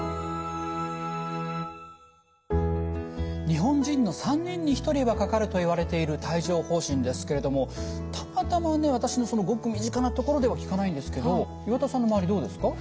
日本人の３人に１人はかかるといわれている帯状ほう疹ですけれどもたまたまね私のごく身近なところでは聞かないんですけど岩田さんの周りどうですか？